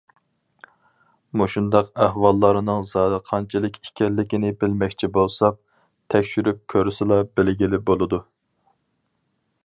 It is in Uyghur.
مۇشۇنداق ئەھۋاللارنىڭ زادى قانچىلىك ئىكەنلىكىنى بىلمەكچى بولساق، تەكشۈرۈپ كۆرسىلا بىلگىلى بولىدۇ.